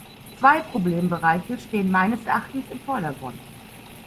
Zwei Problembereiche stehen meines Erachtens im Vordergrund.